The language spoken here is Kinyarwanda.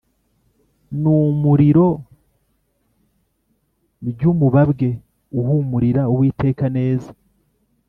N umuriro by umubabwe uhumurira uwiteka neza